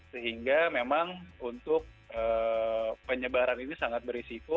sehingga memang untuk penyebaran ini sangat berisiko